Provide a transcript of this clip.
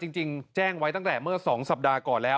จริงแจ้งไว้ตั้งแต่เมื่อ๒สัปดาห์ก่อนแล้ว